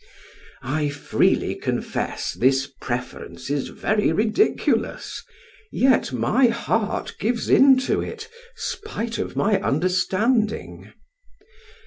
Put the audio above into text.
I freely confess this preference is very ridiculous; yet my heart gives in to it spite of my understanding.